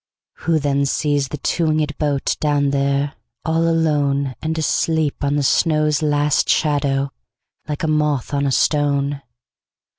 Who then sees the two wingedBoat down there, all aloneAnd asleep on the snow's last shadow, Like a moth on a stone?